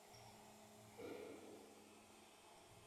Destacó por trabajar en algunas producciones de estilo gonzo.